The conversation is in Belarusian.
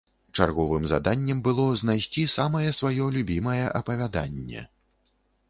Чарговым заданнем было знайсці самае сваё любімае апавяданне.